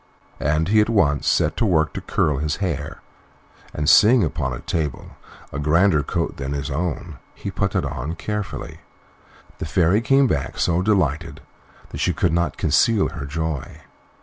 And he at once set to work to curl his hair, and, seeing upon a table a grander coat than his own, he put it on carefully. The Fairy came back so delighted that she could not conceal her joy.